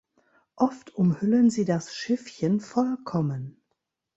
Oft umhüllen sie das Schiffchen vollkommen.